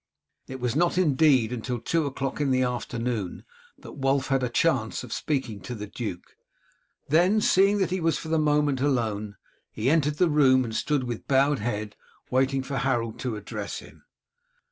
It was not, indeed, until two o'clock in the afternoon that Wulf had a chance of speaking to the duke. Then, seeing that he was for the moment alone, he entered the room and stood with bowed head waiting for Harold to address him.